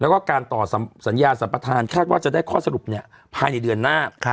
แล้วก็การต่อสัญญาสัมปทานคาดว่าจะได้ข้อสรุปภายในเดือนหน้า